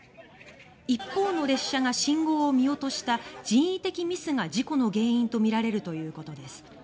一方の列車が信号を見落とした人為的ミスが事故の原因とみられるということです。